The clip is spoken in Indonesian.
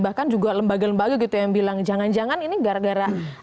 bahkan juga lembaga lembaga gitu yang bilang jangan jangan ini gara gara